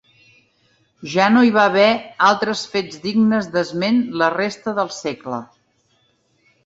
Ja no hi va haver altres fets dignes d'esment la resta del segle.